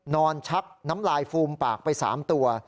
นอนชักน้ำลายฟูมปากไปสามตัว